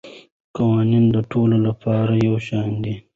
قوانین د ټولو لپاره یو شان دي.